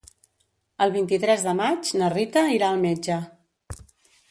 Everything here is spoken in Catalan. El vint-i-tres de maig na Rita irà al metge.